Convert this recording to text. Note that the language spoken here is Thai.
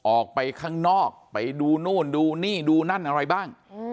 ออกไปข้างนอกไปดูนู่นดูนี่ดูนั่นอะไรบ้าง